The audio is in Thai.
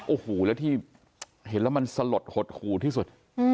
โอ้โหแล้วที่เห็นแล้วมันสลดหดหูที่สุด